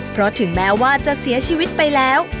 เพราะถึงแม้ว่าจะเสียชีวิตไปแล้ว